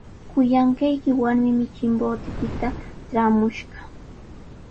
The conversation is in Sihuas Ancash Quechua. Kuyanqayki warmimi Chimbotepita traamushqa.